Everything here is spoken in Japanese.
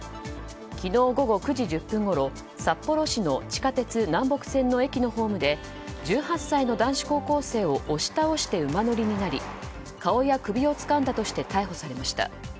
昨日午後９時１０分ごろ札幌市の地下鉄南北線の駅のホームで１８歳の男子高校生を押し倒して馬乗りになり顔や首をつかんだとして逮捕されました。